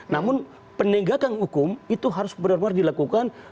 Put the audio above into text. namun penegakan hukum itu harus benar benar dilakukan